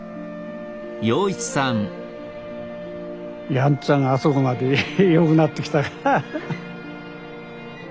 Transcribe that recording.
やんちゃがあそこまでよくなってきたから。